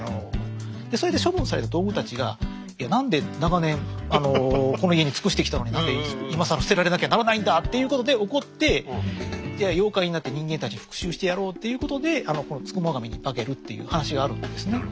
でそれで処分された道具たちが「いや何で長年この家に尽くしてきたのに何で今更捨てられなきゃならないんだ」っていうことで怒ってじゃあ妖怪になって人間たちに復讐してやろうっていうことであのこの付喪神に化けるっていう話があるんですね。